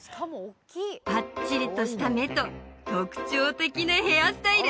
ぱっちりとした目と特徴的なヘアスタイル